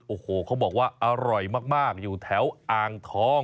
โอ้โหเขาบอกว่าอร่อยมากอยู่แถวอ่างทอง